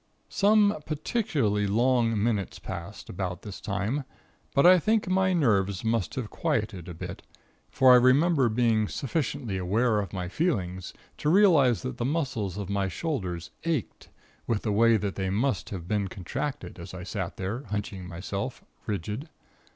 "Some particularly long minutes passed, about this time; but I think my nerves must have quieted a bit; for I remember being sufficiently aware of my feelings, to realize that the muscles of my shoulders ached, with the way that they must have been contracted, as I sat there, hunching myself, rigid.